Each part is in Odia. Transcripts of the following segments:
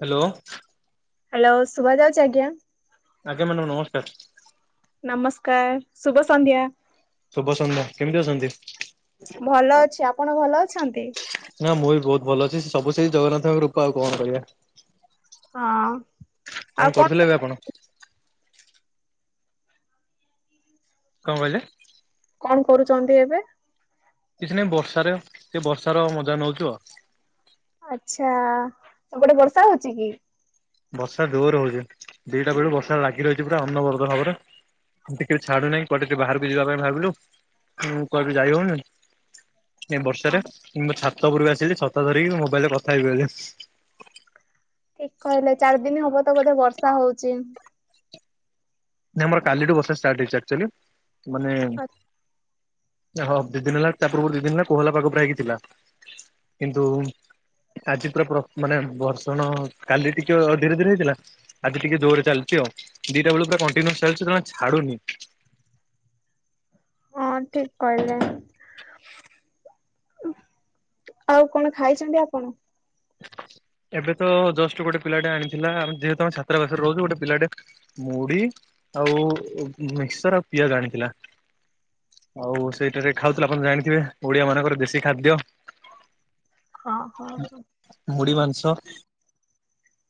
ହାଲୋ । ହାଲୋ ଶୁଭା ଯାଉଛି ଆଜ୍ଞା । ଆଜ୍ଞା ମାଡାମ ନମସ୍କାର । ନମସ୍କାର ଶୁଭ ସନ୍ଧ୍ୟା । ଶୁଭସନ୍ଧ୍ୟା କେମିତି ଅଛନ୍ତି । ଭଲ ଅଛି ଆପଣ ଭଲ ଅଛନ୍ତି? ନା ମୁଁ ବି ବହୁତ ଭଲ ଅଛି। ସବୁ ସେଇ ଜଗନ୍ନାଥଙ୍କ କୃପା ଆଉ କଣ କହିବା ହଁ । କଣ କରୁଥିଲେ ଏବେ ଆପଣ। କଁ କହିଲେ । କଣ କରୁଛନ୍ତି ଏବେ । କିଛି ନାଇଁ ବର୍ଷା ରେ ଏ ବର୍ଷାର ମଜା ନଉଛୁ ଆଉ । ଆଚ୍ଛା ସେପଟେ ବର୍ଷା ହଉଛି କି । ବର୍ଷା ଜୋର ହଉଛି ଦିଟା ବେଳୁ ବର୍ଷା ଲାଗି ରହିଛି ପୁରା ଅନବରତ ଭାବରେ । ଟିକେ ବି ଛାଡୁନାହିଁ କୁଆଡେ ଟିକେ ବାହାରକୁ ଯିବା ପାଇଁ ଭାବିଲୁ ଉଁ କୁଆଡ଼େ ବି ଯାଇ ହଉନି । ଏ ବର୍ଷା ହଁ ରେ ମୁଁ ଛାତ ଉପରକୁ ଆସିଲି ଛତା ଧରିକି ମୋବାଇଲ ରେ କଥା ହେବି ବୋଲି । ଠିକ କହିଲେ ଚାରି ଦିନ ହବ ତ ବୋଧେ ବର୍ଷା ହଉଛି । ନା ଆମର କାଲିଠୁ ବର୍ଷା ଷ୍ଟାର୍ଟ ହେଇଛି ଆକଚୁଆଲି ମାନେ । ହଁ ଦି ଦିନହେଲା ତା ପୂର୍ବରୁ ଦି ଦିନରେ କୋହଲା ପାଗ ପୁରା ହେଇକି ଥିଲା କିନ୍ତୁ । ଆଜି ପୂରା ପ୍ର ମାନେ ବର୍ଷଣ କାଲି ଟିକେ ଅ ଧୀରେ ଧୀରେ ହେଇଥିଲା ଆଜି ଟିକେ ଜୋରରେ ଚାଲିଛି । ଛି ଆଉ ଦି ଟା ବେଳୁ କଣ୍ଟିନିଓସ୍ ଚାଲିଛ ଯମା ଛାଡୁନି । ହଁ ଠିକ କହିଲେ । ଆଉ କଣ ଖାଇଛନ୍ତି ଆପଣ । ଏବେ ତ ଜଷ୍ଟ ଗୋଟେ ପିଲାଟେ ଆଣିଥିଲା ଆମେ ଯେହେତୁ ଛାତାବାସରେ ରହୁଛୁ ଗୋଟେ ପିଲାଟେ ମୁଢି । ଆଉ ମିକ୍ସର ଆଉ ପିଆଜ ଆଣିଥିଲା । ଆଉ ସେଇ ଟାରେ ଖାଉଥିଲୁ ଆପଣ ଜାଣିଥିବେ ଓଡିଆ ମାନଙ୍କର ଦେଶୀ ଖାଦ୍ୟ । ହଁ ହଁ ହଁ ‌। ମୁଢି ମାଂସ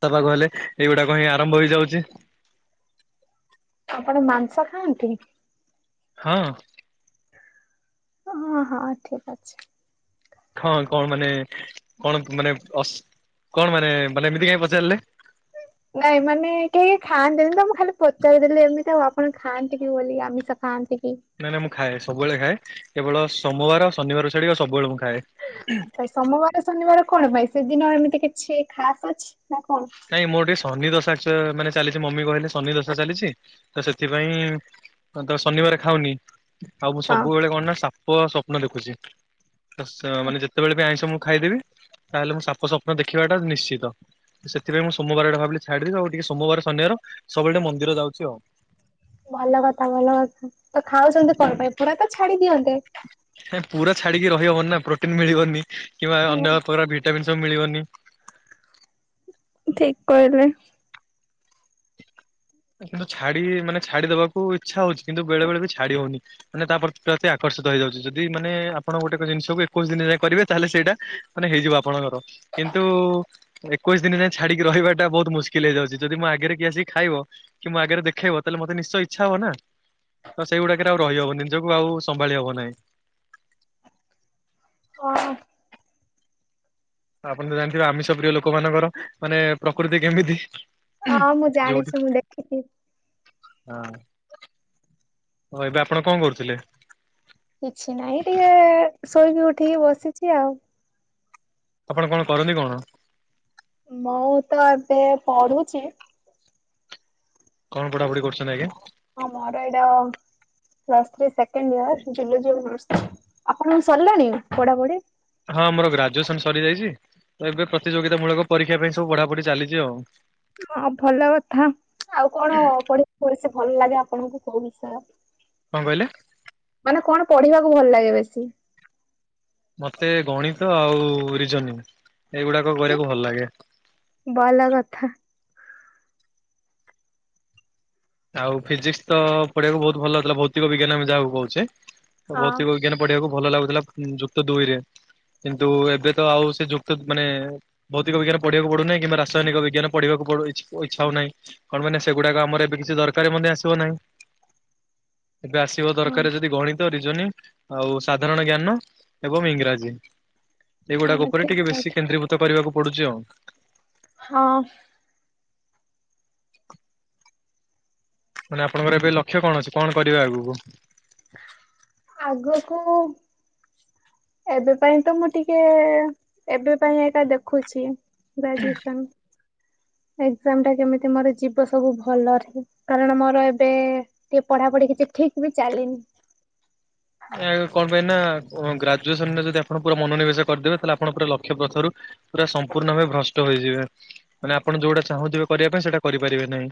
ତା ପାଗ ହେଲେ ଏଇଗୁଡାକ ହିଁ । ଆରମ୍ଭ ହେଇଯାଉଛି । ସ ଖାଆନ୍ତି । ହଁ । ହଁ ହଁ ଠିକ ଅଛି । ହଁ କଣ ମାନେ କଣ ମାନେ ଅସ କଣ ମାନେ ମାନେ ଏମିତି କାହିଁ ପଚାରିଲେ । ନାଇଁ ମାନେ କେହି ଖାଆନ୍ତିନି ତ ମୁଁ ଖାଲି ପଚାରିଦେଲି ଏମିତି ଆଉ ଆପଣ ଖାଆନ୍ତି କି ବୋଲି ଆମିଷ ଖାଆନ୍ତି କି । ନାଇଁ ନାଇଁ ମୁଁ ଖାଏ ସବୁବେଳେ ଖାଏ କେବଳ ସୋମବାର ଶନିବାର ଛାଡିକି ଆଉ ସବୁବେଳେ ମୁଁ ଖାଏ । ଆଛା ସୋମବାର ଶନିବାର କଣ ପାଇଁ ସେଦିନ ଏମିତି କିଛି ଖାସ ଅଛି । ନାଇଁ ମୋର ଟିକେ ସନ୍ନିଦଶା ଅଛି । [unintelligible] ମାନେ ଚାଲିଛି ମମି କହିଲେ ଶନିଦଶା ଚାଲିଛି ତ ସେଥିପାଇଁ ତ ଶନିବାର ଖାଉନି। ଆଉ ମୁଁ ହଁ ସବୁବେଳେ କଣ ନା ସାପ ସପ୍ନ ଦେଖୁଛି ତ ମାନେ ଯେତେବେଳେ ବି ଆଇଷ ମୁଁ ଖାଇଦେବି ତାହେଲେ ମୁଁ ସାପ ସପ୍ନ ଦେଖିବା ଟା ନିଶ୍ଚିତ। ସେଥିପାଇଁ ସୋମବାରଟା ଭାବିଲି ଛାଡ଼ିଦେବି ଆଉ ଟିକେ ସୋମବାର ସନିବାର ସବୁବେଳେ ମନ୍ଦିର ଯାଉଛି ଆଉ। ଭଲ କଥା ଭଲ କଥା ତ ଖାଉଛନ୍ତି କଣ ପାଇଁ ପୁରା ତ ଛାଡି ଦିଅନ୍ତେ। ପୁରା ଛାଡିକି ରହିହବନି ନା ପ୍ରୋଟିନ୍ ମିଳିବନି କିମ୍ବା ହଁ ଅନ୍ୟ ପ୍ରକାର ଭି [unintelligible] ସବୁ ମିଳିବନି। ଠିକ କହିଲେ। କିନ୍ତୁ ଛାଡି ମାନେ ଛାଡିଦେବାକୁ ଇଚ୍ଛା ହଉଛି କିନ୍ତୁ ବେଳେ ବେଳେ ବି ଛାଡି ହଉନି। ମାନେ ତା ପ୍ରତି ପ୍ରତି ଆକର୍ଷିତ ହେଇଯାଉଛି ଯଦି ମାନେ ଆପଣ ଗୋଟେ ଜିନିଷକୁ ଏକୋଇଶ ଦିନ ଯାଏ କରିବେ ତାହେଲେ ସେଇଟା ମାନେ ହେଇଯିବ ଆପଣଙ୍କର। କିନ୍ତୁ ଏକୋଇଶି ଦିନ ଯାଏଁ ଛାଡିକି ରହିବା ଟା ବହୁତ ମୁସ୍କିଲ ହେଇଯାଉଛି ଯଦି ମୁଁ ଆଗରେ କିଏ ଆସିକି ଖାଇବ କି ମୋ ଆଗରେ ଦେଖେଇବ ତାହେଲେ ମତେ ନିଶ୍ଚୟ ଇଚ୍ଛା ହବ ନା। ତ ସେଇଗୁଡାକରେ ଆଉ ରହିହବ ନି ନିଜକୁ ଆଉ ସମ୍ଭାଳି ହବ ନାହିଁ। ହଁ। ଆପଣ ତ ଜାଣିଥିବେ ଆମିଷ ପ୍ରିୟ ଲୋକ ମାନଙ୍କର ମାନେ ପ୍ରକୃତି କେମିତି। ହଁ ମୁଁ ଯୋଉଠି ଜାଣିଛି ମୁଁ ଦେଖିଛି। ହଁ ହଁ ଏବେ ଆପଣ କଣ କରୁଥିଲେ। କିଛି ନାହିଁ ଟିକେ ଶୋଇକି ଉଠିକି ବସିଛି ଆଉ। ଆପଣ କଣ କରନ୍ତି କଣ? ମୁଁ ତ ଏବେ ପଢୁଛି। କଣ ପଢାପଢି କରୁଛନ୍ତି ଆଜ୍ଞା? ହଁ ମର ଏଟା ଆପଣଙ୍କର ସରିଲାଣି ପଢାପଢି? ହଁ ମୋର ଗ୍ରାଜୁଏସନ ସରିଯାଇଛି ତ ଏବେ ପ୍ରତିଯୋଗିତା ମୂଳକ ପରୀକ୍ଷା ପାଇଁ ସବୁ ପଢାପଢି ଚାଲିଛି ଆଉ। ହଁ ଭଲ କଥା ଆଉ କଣ ପଢ ପଢସ ଭଲ ଲାଗେ ଆପଣଙ୍କୁ କହୁ ସାର। କଣ କହିଲେ? ମାନେ କଣ ପଢିବାକୁ ଭଲ ଲାଗେ ବେଶୀ? ମତେ ଗଣିତ ଆଉ ରିଜନୀଙ୍ଗ୍। ଏଇଗୁଡାକ କରିବାକୁ ଭଲ ଲାଗେ। ଭଲ କଥା। ଆଉ ଫିଜିକ୍ସ୍ ତ ପଢିବାଆକୁ ବହୁତ ଭଲ ଲଥିଲା ଭୌତିକ ବିଜ୍ଞାନ ଯାହାକୁ କହୁଛେ। ହଁ ଭୌତିକ ବିଜ୍ଞାନ ପଢିବାକୁ ଭଲ ଲାଗୁଥିଲା ଯୁକ୍ତ ଦୁଇରେ। କିନ୍ତୁ ଏବେ ତ ଆଉ ସେ ଯୁକ୍ତ ମାନେ ଭୌତିକ ବିଜ୍ଞାନ ପଢିବାକୁ ପଡୁନହି କିମ୍ବା ରାସାୟନିକ ବିଜ୍ଞ ପଢିବାକୁ ସବୁଆଡୁ ଇଚ୍ଛା ଇଛା ହଉନାହି କଣ ମାନେ ସେଗୁଡାକ ଆମ ଏବେ କିଛି ଦରକାର ମଧ୍ୟ ଆସିବ ନାହିଁ ଏବେ ଆସିବ ହଁ ଦରକାର ଯଦି ଗଣି ରିଜନିଙ୍ଗ୍ ଆଉ ସାଧାରଣ ଜ୍ଞାନ ଏବଂ ଇଂରାଜୀ। ଏଇଗୁଡାକ ହଁ ଉପରେ ଠିକ ଟିକେ କହିଲ ବେଶୀ କେନ୍ଦ୍ରୀଭୂତ କରିବାକୁ ପଡୁଛି ଆଉ। ହଁ। ମାନେ ଆପଣଙ୍କର ଏବେ ଲକ୍ଷ୍ୟ କଣ ଅଛି କଣ କରିବା ଆଗକୁ। ଆଗକୁ। ଏବେ ପାଇଁ ତ ମୁଁ ଟିକେ ଏବେ ପାଇଁ ଏକା ଦେଖୁଛି ଗ୍ରାଜୁଏସନ୍। ଏଜାମ ଟା କେମିତି ମୋର ଯିବ ସବୁ ଭଲରେ କାରଣ ମୋର ଏବେ ଟିକେ ପଢାପଢି କିଛି ଠିକ ବି ଚାଲିନି। ଆ କଣ ପାଇଁ ନା ଗ୍ରାଜୁଏସନରେ ଯଦି ଆପଣ ପୁରା ମନୋନିବେଶ କରିଦେବେ ତାହେଲେ ଆପଣ ପୁରା ଲକ୍ଷ ପ୍ରଥରୁ ପୁରା ସମ୍ପୂର୍ଣ୍ଣ ଭାବେ ଭ୍ରଷ୍ଟ ହୋଇଯିବେ ମାନେ ଆପଣ ଯୋଉଟା ଚାହୁଁଥିବେ କରିବା ପାଇଁ ସେଇଟା କରିପାରିବେ ନାହିଁ।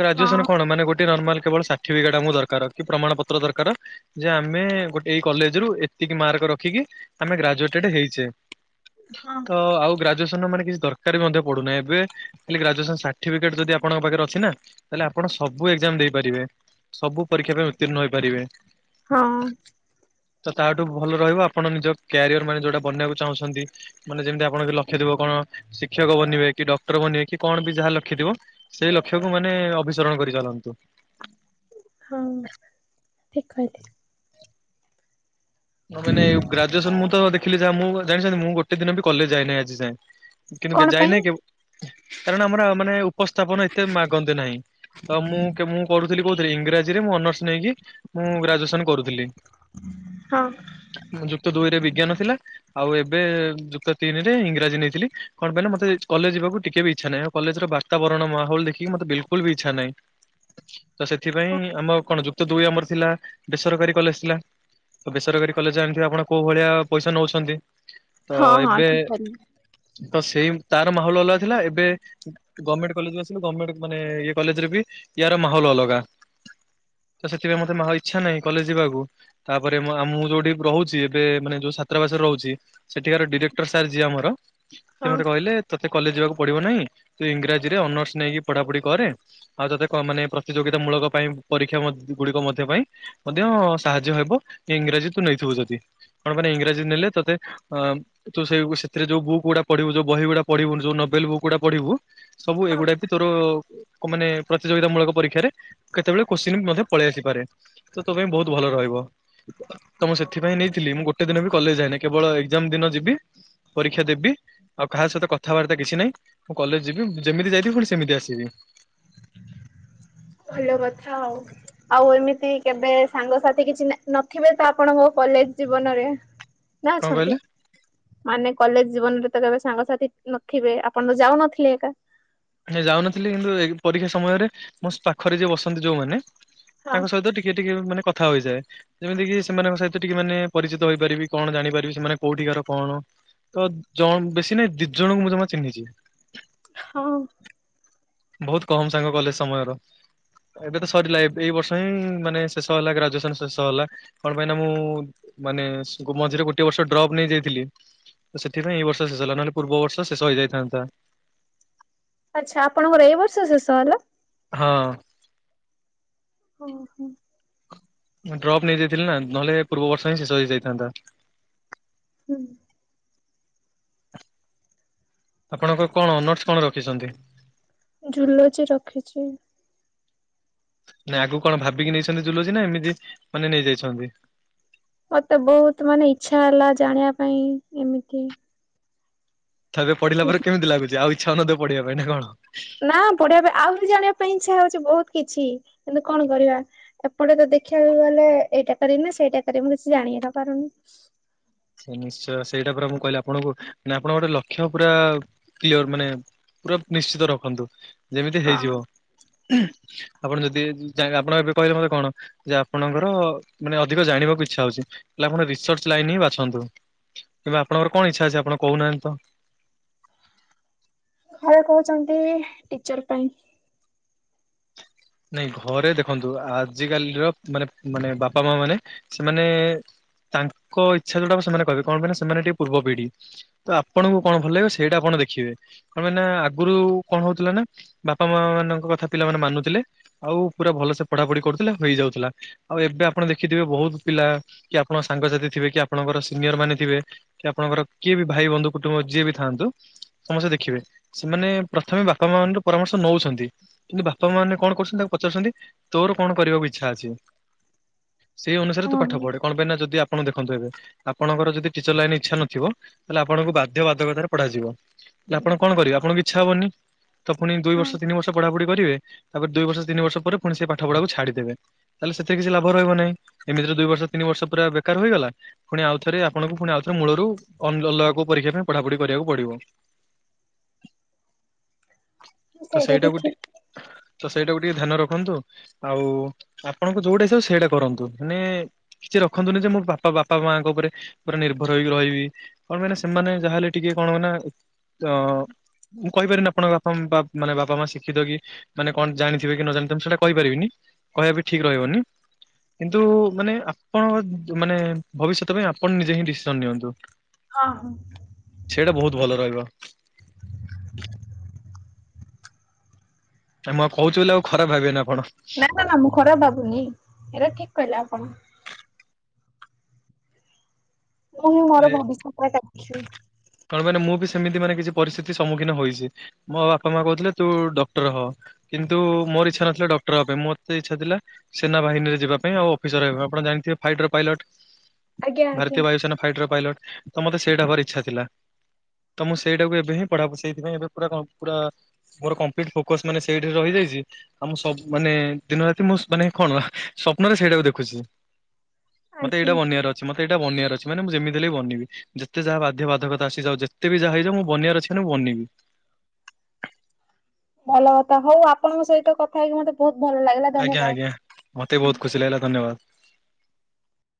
ଗ୍ରାଜୁଏସନ ହଁ କଣ ମାନେ ଗୋଟେ ନର୍ମା କେବଳ ସାର୍ଟିଫିକେଟ ଆମ ଦରକାର କି ପ୍ରମାଣ ପତ୍ର ଦରକାର ଯେ ଆ ଆମେ ଗୋଟେ ଏଇ କଲେଜ ରୁ ଏତିକି ମାର୍କ ରଖିକି ଆମେ ଗ୍ରାଜୁଏଟ ହେଇଚେ। ହଁ ତ ଆଉ ଗ୍ରାଜୁଏସନ ର ମାନେ କିଛି ଦରକାର ବି ମଧ୍ୟ ପଡୁନାହିଁ, ଏବେ ଖାଲି ଗ୍ରଜୁଏସନ ସାର୍ଟିଫେଟ ଯଦି ଆପଣଙ୍କ ପାଖରେ ଅଛି ନା ତାହଲେ ଆପଣ ସବୁ ଏଜାମ ଦେଇପାରିବେ। ସବୁ ପରୀକ୍ଷା ପାଇଁ ଉତ୍ତୀର୍ଣ୍ଣ ହୋଇପାରିବେ। ହଁ। ତ ତାହାଠୁ ଭଲ ରହିବ ଆପଣ ନିଜ କ୍ୟାରିଅର ମାନେ ଯୋଉଟା ବନିବାକୁ ଚାହୁଁଛନ୍ତି ମାନେ ଯେମିତି ଆପଣଙ୍କ ଲକ୍ଷ୍ୟ ଥିବ କଣ ଶିକ୍ଷକ ବନିବେ କି ଡକ୍ଟର ବନିବେ କି କଣ ବି ଯାହା ଲକ୍ଷ୍ୟ ଥିବ ସେଇ ଲକ୍ଷ୍ୟକୁ ମାନେ ଅଭିସରଣ କରି ଚାଲନ୍ତୁ। ହଁ ଠିକ କହି ମାନ ଗ୍ରାଜୁଏସନ ମୁଁ ତ ଦେଖିଲି ଯାହା ମୁଁ ଜାଣି ମୁଁ ଗୋଟେ ଦିନ କଲେଜ ଯାଇଏନାହିଁ ଆଜି ଯାଏଁ। କିନ୍ତୁ କଣ ପାଇଁ ଯାଇନାହିଁ କେ କାରଣ ଆମର ମାନେ ଉପସ୍ଥାପନ ଏତେ ମାଗନ୍ତି ନାହିଁ। ତ ମୁଁ ମୁଁ କରୁ କହୁଥିଲ ଇଂରାଜୀରେ ମୁ ଅନର୍ସ ନେଇକି ମୁଁ ଗ୍ରାଜୁଏସନ କରୁଥିଲି। ହଁ। ଯୁକ୍ତ ଦୁଇ ରେ ବିଜ୍ଞାନ ଥିଲା, ଆଉ ଏବେ ଯୁକ୍ତ ତିନିରେ ଇଂରାଜୀ ନେଇଥିଲି କଣ କହିଲ ମତେ କଲେଜ କୁ ଟିକେ ବି ଇଚ୍ଛା ନାହିଁ କଲେଜର ବାତାବରଣ ମାହଲ ଦେଖିକି ମତେ ବିଲକୁଲ ବି ଇଚ୍ଛା ନାହିଁ। ତ ସେଥିପାଇଁ ଆମ କଣ ଯୁକ୍ତ ଦୁଇ ଆମର ଥିଲା ବେସରକାରୀ କଲେଜ ଥିଲା, ବେଶ୍ ସରକାରୀ କଲେଜ ଆଣିିବେ ଆପଣ କୋଉ ଭଳିଆ ପଇସା ନେଉଚନ୍ତି। ହଁ ହଁ ଠିକ ଅ ତ ସେଇ ତାର ମାହୋଲ ଅଲଗା ଥିଲା, ଏବେ ଗଭର୍ଣ୍ଣମେଣ୍ଟ କଲେଜକୁ ଆସିଲ ଗଭର୍ଣ୍ଣମେଣ୍ଟ ମାନେ ଇଏ କଲେଜରେ ବି ୟାର ମାହୋଲ ଅଲଗା ତ ସେଥିପାଇଁ ମତେ ଇଚ୍ଛା ନାହିଁ କଲେଜ ଯିବାକୁ, ତାପରେ ଆ ମୁଁ ଯୋଉଠି ରହୁଚି ଏବେ ମାନେ ଯୋଉ ଛାତାବାସରେ ରହୁଚି ସେଠିକାର ଡିରେକ୍ଟର ସାର୍ ଯିଏ ଆମର ସେ ହଁ ମତେ କହିଲେ ତୋତେ କଲେଜ ଯିବାକୁ ପଡିବ ନାହିଁ, ତୁ ଇଂରାଜୀରେ ଅନର୍ସ ନେଇକି ପଢା ପଢି କରେ ଆଉ ତୋତେ ମାନେ ତି ଯୋଗି ମୂଳକ ପାଇଁ ପରୀକ୍ଷା ଗୁଡିକ ମଧ୍ୟ ପାଇଁ ମଧ୍ୟ ସାହାଯ୍ୟ ହେବ। ଇଂରାଜୀ ତୁ ନେଇଥିବୁ ଯଦି କଣ ମାନେ ଇଂରାଜୀ ନେଲେ ତତେ ଅ ତୁ ସେ ସେଥିରେ ଯୋଉ ବୁ ଗୁଡା ପଢିବୁ ଯଉ ବହି ଗୁଡା ପଢିବୁ ଯୋଉ ନୋେଲ ବୁକ୍ ଗୁଡା ପଢିବୁ ସବୁ ହଁ। ଏଗୁଡା ବି ତୋର ମାନେ ପ୍ର ପ୍ରତିଯୋଗିତା ମୂଳକ ପରୀକ୍ଷାରେ କେତେବେଳେ କୋଶ୍ଚିନ୍ ମଧ୍ୟ ପଳେଇ ଆସିପାରେ ତ ତୋ ପାଇଁ ବହୁତ ଭଲ ରହିବ। ତ ମୁଁ ସେଥିପାଇଁ ନେଇଥିଲି ମୁଁ ଗୋଟେ ଦିନ ବି କଲେଜ ଯାଇଏନି କେବଳ ଏଜାମ ଦିନ ଯିବି ପରୀକ୍ଷା ଦେବି ଆଉ କାହା ସହିତ କଥାବାର୍ତ୍ତା କିଛି ନାହିଁ ମୁଁ କଲେଜ ଯିବି ଯେମିତି ଯାଇଥିବି ପୁଣି ସେମିତି ଆସିବି। [inaudible] ଭଲ କଥା ଆଉ। ଆଉ ଏମିତି କେବେ ସାଙ୍ଗସାଥି କିଛି ନଥିବେ ତ ଆପଣଙ୍କ କଲେଜ ଜୀବନରେ? ନା କଣ ଅଛନ୍ତି କହିଲେ ମାନେ କଲେଜ ଜୀବନରେ ତ କେବେ ସାଙ୍ଗସାଥି ନଥିବେ ଆପଣ ତ ଯାଉନଥିଲେ ଏକା। ଯାଉନଥିଲି କିନ୍ତୁ ଏ ପରୀକ୍ଷା ସମୟରେ ମୋ ପାଖରେ ଯିଏ ବସନ୍ତି ଯୋଉମାନେ ହଁ ତାଙ୍କ ସହିତ ଟିକେ ଟିକେ ମାନେ କ କଥା ହୋଇଯାଏ, ଯେମିତି କିି ସେମାନଙ୍କ ସହିତ ଟିକେ ମାନେ ପରିଚିତ ହୋଇପାରିବି କଣ ଜାଣିପାରିବି ସେମାନେ କୋଉଠିିକାର କଣ ତ ଜଣ ବେଶୀ ନାଇଁ ଦି ଜଣଙ୍କୁ ମୁଁ ତମେ ଚିହ୍ନିଚି। ହଁ। ବୋହୁତ କମ ସାଙ୍ଗ କଲେଜ ସମୟର। ଏବେ ତ ସରିଲା ଏ ଏଇ ବର୍ଷ ହିଁ ମାନେ ଶେଷ ହେଲା ଗ୍ରାଜୁଏସନ ଶେଷ ହେଲା, କଣ ପାଇଁ ନା ମୁଁ ମାନେ ମଝିରେ ଗୋଟେ ବର୍ଷ ଡ୍ରପ୍ ନେଇଯାଇଥିଲି। ତ ସେଥିପାଇଁ ଏଇ ବର୍ଷ ଶେଷ ହେଲା, ନହେଲେ ପୂର୍ବ ବର୍ଷ ଶେଷ ହେଇଯାଇଥାନ୍ତା। ଆଚ୍ଛା ଆପଣଙ୍କର ଏଇ ବର୍ଷ ଶେଷ ହେଲା। ହଁ। ଓହୋ। ଡପ୍ ନେଇଯାଇଥିଲେ ନା ନହେଲେ ପୂର୍ବ ବର୍ଷ ହିଁ ଶେଷ ହେଇଯାଇଥାନ୍ତା। ହୁଁ। ଆପଣଙ୍କ କଣ ଅନର୍ସ କଣ ରଖିଛନ୍ତି? ଜୁଲୋଜି ରଖିଛି। ନାଇଁ ଆଗକୁ କଣ ଭାବିକି ନେଇଛନ୍ତି ଜୁଲୋଜି ନା, ଏମିତି ମାନେ ନେଇଯାଇଛନ୍ତି। ମତେ ବହୁତ ମାନେ ଇଛା ହେଲା ଜାଣିବା ପାଇଁ ଏମିତି ତ ଏବେ ପଢିଲା ପରେ କେମିତି ଲାଗୁଛି? ଆଉ ଇଚ୍ଛା ହଉନଥିବ ପଢିବା ପାଇଁ ନା କଣ? ନା ପଢିବା ପାଇଁ ଆହୁରି ଜାଣିବା ପାଇଁ ଇଚ୍ଛା ହଉଛି ବହୁତ କିଛି କିନ୍ତୁ କଣ କରିବା ଏପଟେ ତ ଦେଖିବାକୁ ଗଲେ ଏଇଟା କରିବୁ ନା ସେଇଟା କରିିବୁ ମୁଁ କିଛି ଜାଣି ଜାଣି ତ ପାରୁନି। ସେ ନିଶ୍ଚୟ ସେଇଟା ପୁରା ମୁଁ କହିଲି ଆପଣଙ୍କୁ ମାନେ ଆପଣଙ୍କ ଗୋଟେ ଲକ୍ଷ୍ୟ ପୁରା କ୍ଲିଅର ମାନେ ପୁରା ନିଶ୍ଚିତ ରଖନ୍ତୁ ଯେମିତି ହଁ ହେଇଯିବ। ଆପଣ ଯଦି ଚାହିଁବେ ଆପଣ ଏବେ କହିଲେ ମତେ କଣ ଯେ ଆପଣଙ୍କର ମାନେ ଅଧିକ ଜାଣିବାକୁ ଇଚ୍ଛା ହଉଚି। ହେଲେ ଆପଣ ରିସର୍ଚ୍ଚ ଲାଇନି ହିଁ ବା ବାଛନ୍ତୁ ଏବେ ଆପଣଙ୍କର କଣ ଇଛା ଅଛି ଆପଣ କହୁନାହାନ୍ତି ତ? ଘରେ କହୁଛନ୍ତି ଟିଚର ପାଇଁ। ନାଇଁ ଘରେ ଦେଖନ୍ତୁ ଆଜିକାଲିର ମାନେ ମାନେ ବାପା ମା ମାନେ ସେମାନେ ତାଙ୍କ ଇଚ୍ଛା ଯୋଉଟା ସେମାନେ କହିବେ। କଣ ପାଇଁ ନା ସେମାନେ ଟିକେ ପୂର୍ବ ପିଢ଼ି। ତ ଆପଣଙ୍କୁ କଣ ଭଲ ଲାଗିବ ସେଇଟା ଆପଣ ଦେଖିବେ କଣ ପାଇଁ ନା ଆଗରୁ କଣ ହଉଥିଲା ନା ବାପା ମା ମାନଙ୍କ କଥା ପିଲାମାନେ ମାନୁଥିଲେ। ଆଉ ପୁରା ଭଲସେ ପଢା ପଢି କରୁଥିଲେ ହେଇଯାଉଥିଲା। ଆଉ ଏବେ ଆପଣ ଦେଖିଥିବେ ବହୁତ ପିଲା କି ଆପଣଙ୍କ ସାଙ୍ଗସାଥି ଥିବେ କି ଆପଣଙ୍କର ସିନିୟର ମାନେ ଥିବେ କି ଆପଣଙ୍କର କିଏ ବି ଭାଇ ବନ୍ଧୁ କୁଟୁମ୍ବ ଯିଏ ବି ଥାନ୍ତୁ ସମସ୍ତେ ଦେଖିବେ। ସେମାନେ ପ୍ରଥମେ ବାପା ମାାନଙ୍କର ପରାମର୍ଶ ନଉଛନ୍ତି ।କିନ୍ତୁ ବାପା ମାନେ କଣ କରୁଛନ୍ତି ତାକୁ ପଚାରୁଛନ୍ତି ତୋର କଣ କରିବାକୁ ଇଚ୍ଛା ଅଛି? ସେଇ ଅନୁସାରେ ତୁ ହଁ ପାଠ ପଢେ କଣ ପାଇଁ ନା ଯଦି ଆ ଆପଣ ଦେଖନ୍ତୁ ଏବେ ଆପଣଙ୍କର ଯଦି ଟିଚର ଲାଇନ ଇଚ୍ଛା ନଥିବ ତାହେଲେ ଆପଣଙ୍କୁ ବାଧ୍ୟ ବାଧକତାରେ ପଢାଯିବ। ହେଲେ ଆପଣ କଣ କରିବେ ଆପଣଙ୍କ ଇଚ୍ଛା ହବନି। ତ ପୁଣି ଦୁଇ ବର୍ଷ ହଁ ତିନିବର୍ଷ ପଢାପଢି କରିବେ। ତାପରେ ଦୁଇ ବର୍ଷ ତିନିବର୍ଷ ପରେ ପୁଣି ସେଇ ପାଠ ପଢାକୁ ଛାଡି ଦେବେ। ତାହେଲେ ସେଥିରେ କିଛି ଲାଭ ରହିବନି। ଏମତି ଦୁଇ ବର୍ଷ ତିିନି ବର୍ଷ ପୁରା ବେକାର ହୋଇଗଲା। ପୁଣି ଆଉଥରେ ଆପଣଙ୍କୁ ପୁଣି ଆଉଥରେ ମୂଳରୁ ଅନ୍ୟ ଅଲଗା କୋଉ ପରୀକ୍ଷା ପାଇଁ ପଢାପଢି କରିବାକୁ ପଡ଼ିବ। ତ ସେଇଟା ବି ସେଇଟାକୁ ଟି ଠିକ୍। ତ ସେଇଟାକୁ ଟିକେ ଧ୍ୟାନ ରଖନ୍ତୁ। ଆଉ ଆପଣଙ୍କ ଯୋଉଟା ଇଛା ସେଇଟା କରନ୍ତୁ। ମାନେ ରଖନ୍ତୁନି ଯେ ମୋ ବାପା ବାପା ମାଙ୍କ ଉପରେ ପୁରା ନିର୍ଭରହେଇକି ରହିବି। କଣ ପାଇଁ ନା ସେମାନେ ଯାହା ହେଲେ ଟିକେ କଣ ନା ଅ ମୁଁ କହିପାରିନି ଆପଣଙ୍କ ବାପା ମାନେ ବାପା ମା ଶିଖିତ କି ମାନେ କଣ ଜାଣିଥିବେ କି ନ ଜାଣିଥିବେ ସେଟା କହିପାରିବିନି। କହିବା ବି ଠିକ୍ ରହିବନି। କିନ୍ତୁ ମାନେ ଆପଣ ମାନେ ଭବିଷ୍ୟତ ପାଇଁ ଆପଣ ନିଜେ ହିଁ ଡିସିସନ ନିଅନ୍ତୁ। ହଁ ହଁ। ସେଇଟା ବହୁତ ଭଲ ରହିବ। ନା ମୁଁ କହୁଛି ବୋଲି ଆଉ ଖରାପ ଭାବିବେନି ଆ ନା ନା ନା ମୁଁ ଖରାପ ଭାବୁନି। ଏଇଟା ଠିକ କହିଲେ ଆପଣ। ମୁଁ ହିଁ ଏ ମୋର ଭବିଷ୍ୟତ। [unintelligible] କଣ ପାଇଁ ନା ମୁଁ ବି ସେମିତି ମାନେ କିଛି ପରିସ୍ଥିତି ସମ୍ମୁଖୀନ ହୋଇଛି। ମୋ ବାପା ମା କହୁଥିଲେ ତୁ ଡକ୍ଟର ହୋ। କିନ୍ତୁ ମୋର ଇଚ୍ଛା ନଥିଲା ଡକ୍ଟର ହେବା ପାଇଁ। ମୋତେ ଇଚ୍ଛା ଥିଲା ସେନା ବାହିନୀରେ ଯିବା ପାଇଁ ଆଉ ଅଫିସର ହେବା ଆପଣ ଜାଣିଥିବେ ଫାଇଟର ପାଇଲଟ। ଆଜ୍ଞା ଆଜ୍ଞା ଭାରତୀୟ ବାୟୁସେନା ଫାଇଟର ପାଇଲଟ ତ ମତେ ସେଇଟା ହେବାର ଇଚ୍ଛା ଥିଲା। [inaudible] ତ ମୁଁ ସେଇଟାକୁ ଏବେ ହିଁ ପଢ଼ା ସେଇଥିପାଇଁ ଏବେ ପୁରା ପୁରା ମୋର କମ୍ପ୍ଲିଟ ଫୋକସ ମାନେ ସେଇଠାରେ ରହିଯାଇଛି। ଆ ମୁଁ ସବୁ ମାନେ ଦିନ ରାତି ମୁଁ ମାନେ କଣ ସ୍ଵପ୍ନରେ ସେଇଟାକୁ ଦେଖୁଛି। ମତେ ଆଜ୍ଞା। ଏଇଟା ବନିବାର ଅଛି ମତେ ଏଇଟା ବନିବାରେ ଅଛି ମାନେ ମୁଁ ଯେମିତି ହେଲେ ବନିବି ଯେତେ ଯାହା ବାଧ୍ୟ ବାଧକ ଆସିଯାଉ ଯେତେବି ଯାହା ହେଇଯାଉ ମୁଁ ବନିବାର ଅଛି ମାନେ ମୁଁ ବନିବି। ଭଲ କଥା ହଉ ଆପଣଙ୍କ ସହିତ କଥା ହେଇକି ମତେ ବହୁତ ଭଲ ଲାଗିଲା ଆଜ୍ଞା ଆଜ୍ଞା ମତେ ବି ଧନ୍ୟବାଦ। ବହୁତ ଖୁସି ଲାଗିଲା ଧନ୍ୟବାଦ।